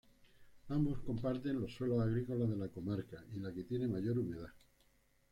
Ambos comparten los suelos agrícolas de la comarca y la que tiene mayor humedad.